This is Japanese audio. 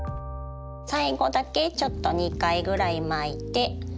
最後だけちょっと２回ぐらい巻いて。